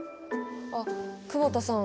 あっ久保田さん。